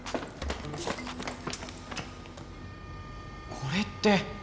これって。